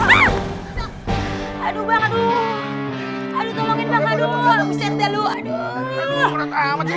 aduh tolongin bang aduh